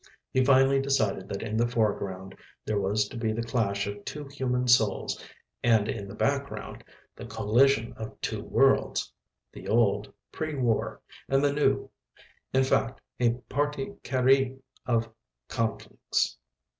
He finally decided that in the foreground, there was to be the clash of two human souls and in the background, the collision of two worlds the old (pre War) and the new. In fact, a partie carrée of conflicts.